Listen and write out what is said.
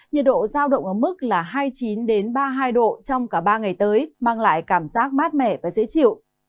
nhiệt độ giao động ở mức là hai mươi chín ba mươi hai độ trong cả ba ngày tới mang lại cảm giác mát mẻ và dễ chịu